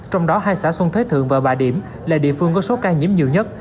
trong đó hai xã xuân thế thượng và bà điểm là địa phương có số ca nhiễm nhiều nhất